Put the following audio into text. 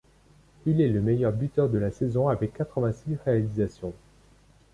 Hull est le meilleur buteur de la saison avec quatre-vingt-six réalisations.